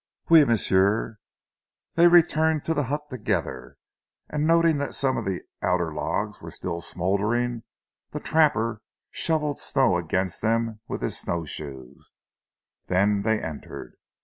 "Oui, m'sieu." They returned to the hut together, and noting that some of the outer logs were still smouldering, the trapper shovelled snow against them with his snow shoes, then they entered.